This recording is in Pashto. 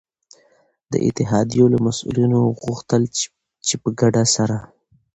د اتحادیو له مسؤلینو وغوښتل چي په ګډه سره